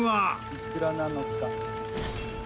いくらなのか？